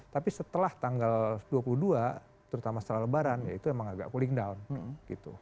tapi setelah tanggal dua puluh dua terutama setelah lebaran ya itu emang agak cooling down gitu